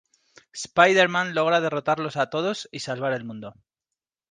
Spider-Man logra derrotarlos a todos y salvar al mundo.